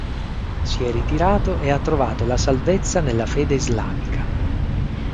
Si è ritirato e ha trovato la salvezza nella fede islamica.